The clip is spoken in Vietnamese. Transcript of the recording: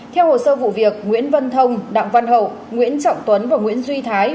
theo hồ sơ vụ việc nguyễn văn thông đặng văn hậu nguyễn trọng tuấn và nguyễn duy thái